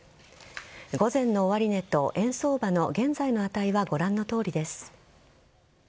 午前の終値と円相場の現在の値はご覧のとおりです。